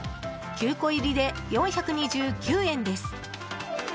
９個入りで４２９円です。